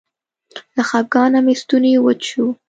له خپګانه مې ستونی وچ شو.